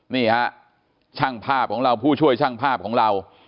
นี่ฮะช่างภาพของเราผู้ช่วยช่างภาพของเรา